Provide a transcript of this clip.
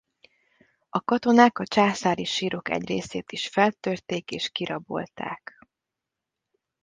A katonák a császári sírok egy részét is feltörték és kirabolták.